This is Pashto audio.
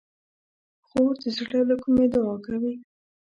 خور د زړه له کومي دعا کوي.